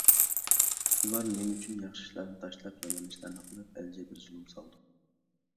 ئۇلار نېمە ئۈچۈن ياخشى ئىشلارنى تاشلاپ، يامان ئىشلارنى قىلىپ، ئەلگە جەبىر - زۇلۇملارنى سالىدۇ؟